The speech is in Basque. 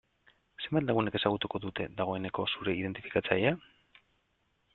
Zenbat lagunek ezagutuko dute, dagoeneko zure identifikatzailea?